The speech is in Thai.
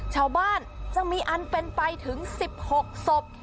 ชาวบ้านจะมีอันเป็นไปถึง๑๖ศพ